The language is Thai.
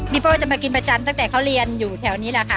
โป้จะมากินประจำตั้งแต่เขาเรียนอยู่แถวนี้แหละค่ะ